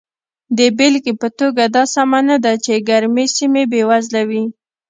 د بېلګې په توګه دا سمه نه ده چې ګرمې سیمې بېوزله وي.